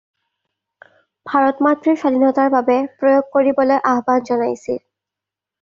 ভাৰত মাতৃৰ স্বাধীনতাৰ বাবে প্ৰয়োগ কৰিবলৈ আহ্বান জনাইছিল।